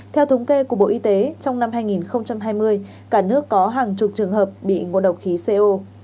theo thống kê của bộ y tế trong năm hai nghìn hai mươi cả nước có hàng chục trường hợp bị ngộ độc khí co